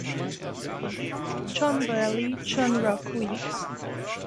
John Varley: "John Rocque.